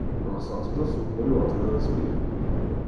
Кога сонцето се умори отиде да спие.